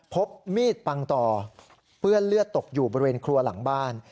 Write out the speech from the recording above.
พบมีดปังต่อเปื้อนเลือดตกอยู่บริเวณครัวหลังบ้าน